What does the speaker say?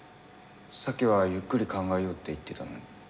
さっきはゆっくり考えようって言ってたのに。